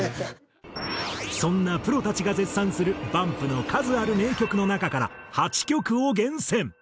そんなプロたちが絶賛するＢＵＭＰの数ある名曲の中から８曲を厳選。